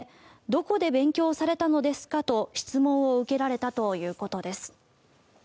どこで勉強されたのですかと質問を受けられたということです。